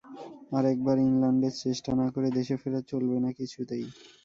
আর একবার ইংলণ্ডে চেষ্টা না করে দেশে ফেরা চলবে না কিছুতেই।